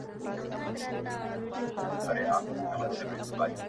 څوک مه وهه په گوته، چي تا و نه ولي په لوټه.